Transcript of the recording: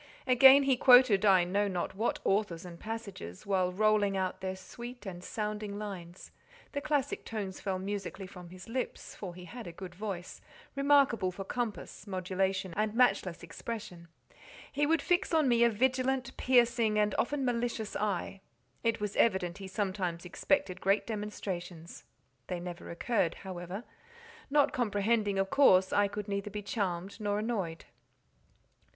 Again he quoted I know not what authors and passages, and while rolling out their sweet and sounding lines (the classic tones fell musically from his lips—for he had a good voice—remarkable for compass, modulation, and matchless expression), he would fix on me a vigilant, piercing, and often malicious eye. It was evident he sometimes expected great demonstrations; they never occurred, however; not comprehending, of course I could neither be charmed nor annoyed.